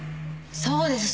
そうです。